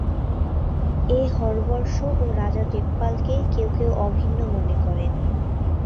এ হরবর্ষ ও রাজা দেবপালকে কেউ কেউ অভিন্ন মনে করেন।